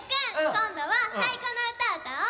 こんどはたいこのうたうたおう！